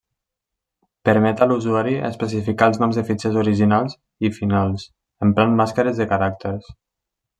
Permet a l'usuari especificar els noms de fitxers originals i finals emprant màscares de caràcters.